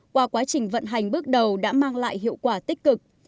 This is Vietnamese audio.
qua quá trình vận hành bước đầu đã mang lại hiệu quả tích cực